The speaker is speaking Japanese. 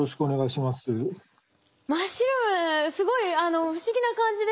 真っ白ですごい不思議な感じでした。